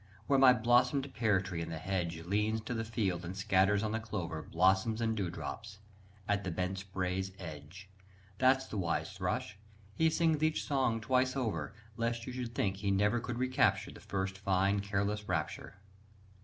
where my blossomed pear tree in the hedge Leans to the field and scatters on the clover Blossoms and dewdrops at the bent spray's edge That's the wise thrush; he sings each song twice over, Lest you should think he never could recapture The first fine careless rapture!